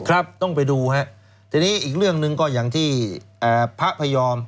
ครับต้องไปดูฮะทีนี้อีกเรื่องหนึ่งก็อย่างที่พระพยอม